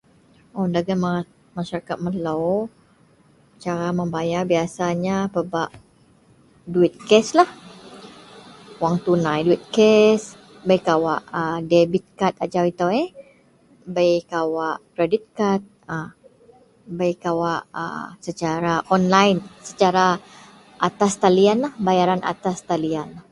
Mun dagen masarakat melou, cara membayar biyasanya pebak duwit keslah, wang tunai duwit kes. Bei kawak a debit kad ajau itou eh, bei kawak kredit kad a, bei kawak a secara onlaen, secara atas talianlah, bayaran atas talian.